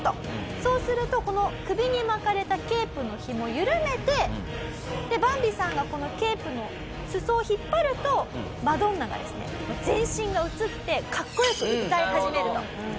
そうするとこの首に巻かれたケープのひもを緩めてバンビさんがこのケープの裾を引っ張るとマドンナがですね全身が映って格好良く歌い始めると。